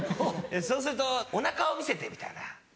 そうすると「お腹を見せて」みたいな。